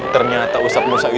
ternyata ustadz musa